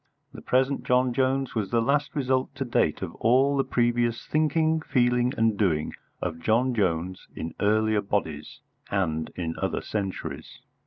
The present John Jones was the last result to date of all the previous thinking, feeling, and doing of John Jones in earlier bodies and in other centuries.